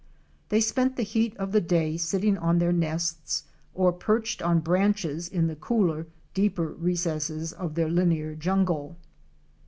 They spend the heat of the day sitting on their nests or perched on branches in the cooler, deeper recesses of their linear jungle.